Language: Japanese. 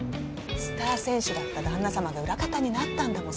スター選手だった旦那様が裏方になったんだもん